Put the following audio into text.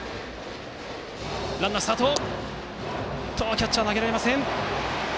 キャッチャー、投げられません。